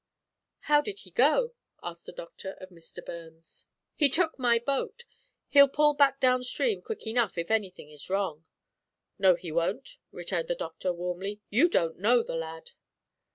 "How did he go?" asked the Doctor of Mr. Burns. "He took my boat. He'll pull back down stream quick enough if anything is wrong." "No he won't," returned the Doctor, warmly; "you don't know the lad."